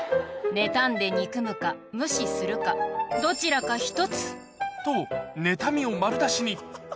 ねたんで憎むか、無視するか、どちらか一つ。と、ねたみを丸出しに。